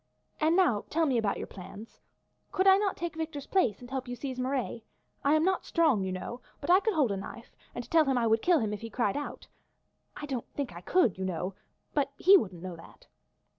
And now, tell me about your plans. Could I not take Victor's place and help you to seize Marat? I am not strong, you know; but I could hold a knife, and tell him I would kill him if he cried out. I don't think I could, you know, but he wouldn't know that."